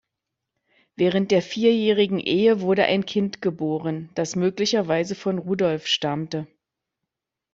Während der vierjährigen Ehe wurde ein Kind geboren, das möglicherweise von Rudolf stammte.